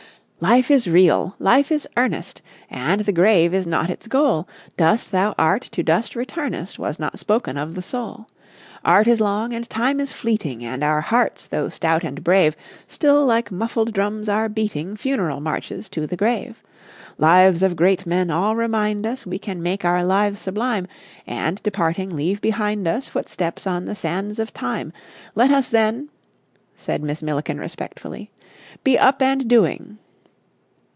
"Life is real! Life is earnest! And the grave is not its goal; dust thou art to dust returnest, was not spoken of the soul. Art is long and time is fleeting, And our hearts, though stout and brave, Still like muffled drums are beating, Funeral marches to the grave. Lives of great men all remind us we can make our lives sublime, and, departing, leave behind us footsteps on the sands of Time. Let us then ..." said Miss Milliken respectfully, ... "be up and doing...."